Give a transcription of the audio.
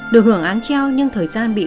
được hưởng án treo nhưng thời gian bị quản lý